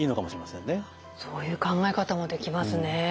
そういう考え方もできますね。